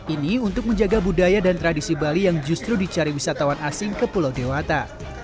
ini untuk menjaga budaya dan tradisi bali yang justru dicari wisatawan asing ke pulau dewata